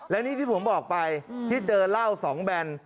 และนี่ที่ผมบอกไปที่เจอเหล้า๒แบน